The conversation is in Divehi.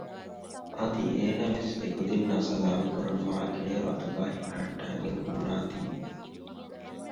އަދި އޭނާވެސް އެކުދިންނާ ސަލާމް ކުރަން މާ ގިނައިރު އަތުގައި ހިފަހައްޓައިގެން ހުންނާތީ